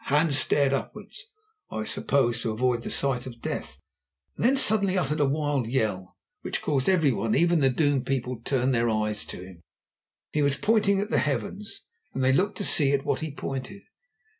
Hans stared upwards—I suppose to avoid the sight of death—then suddenly uttered a wild yell, which caused everyone, even the doomed people, to turn their eyes to him. He was pointing to the heavens, and they looked to see at what he pointed.